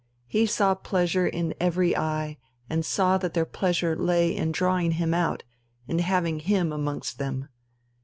He saw pleasure in every eye, and saw that their pleasure lay in drawing him out, in having him amongst them.